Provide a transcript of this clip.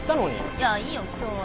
いやいいよ今日は。